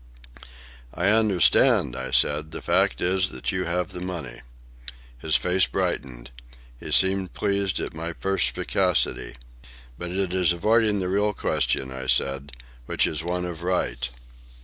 "I understand," I said. "The fact is that you have the money." His face brightened. He seemed pleased at my perspicacity. "But it is avoiding the real question," I continued, "which is one of right."